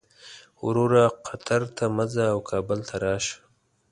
وروره قطر ته مه ځه او کابل ته راشه.